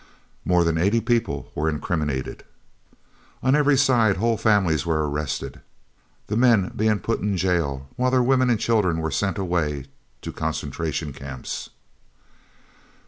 More than eighty people were incriminated. On every side whole families were arrested, the men being put into jail, while their women and children were sent away to Concentration Camps.